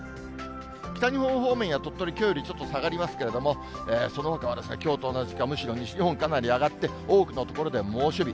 北日本方面や鳥取、きょうよりちょっと下がりますけれども、そのほかはきょうと同じか、むしろ西日本、かなり上がって、多くの所で猛暑日。